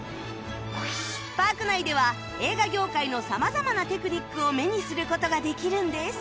パーク内では映画業界の様々なテクニックを目にする事ができるんです